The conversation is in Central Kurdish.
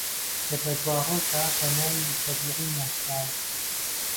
کە لە دواڕۆژدا بە ناوی زەبیحی ناسرا